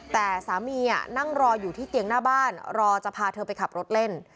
แต่สามีนั่งรออยู่ที่เตียงหน้าบ้านรอจะพาเธอไปขับรถเล่น